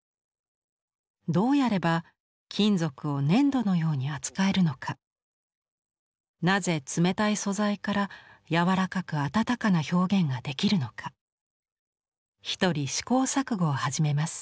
どうやれば金属を粘土のように扱えるのかなぜ冷たい素材から柔らかく温かな表現ができるのか独り試行錯誤を始めます。